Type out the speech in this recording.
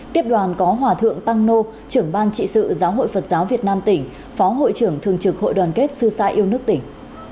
tiếp đoàn có hòa thượng tăng nô trưởng ban trị sự giáo hội phật giáo việt nam tỉnh phó hội trưởng thường trực hội đoàn kết sư sai yêu nước tỉnh